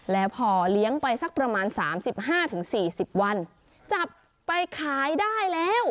แล้วพอเลี้ยงไปสักประมาณ๓๕๔๐วันจับไปขายได้แล้ว